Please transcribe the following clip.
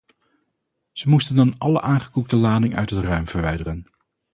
Ze moesten dan alle aangekoekte lading uit het ruim verwijderen.